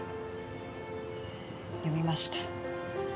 読みました。